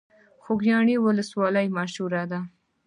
خوږیاڼیو ولسوالۍ مشهوره ده؟